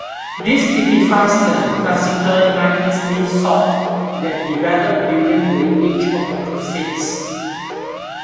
This typifies the classical knightly sword that developed during the age of the Crusades.